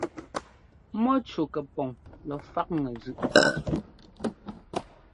Mɔ́cú kɛpɔŋ lɔ faꞌŋɛ zʉꞌ páꞌ.